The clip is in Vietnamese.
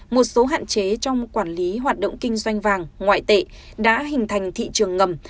một số hạn chế trong quản lý hoạt động kinh doanh vàng ngoại tệ đã hình thành thị trường ngầm